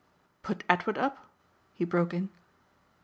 "Put Edward up?" he broke in.